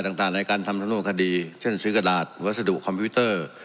ต่างในการทำสำนวนคดีเช่นซื้อกระดาษวัสดุคอมพิวเตอร์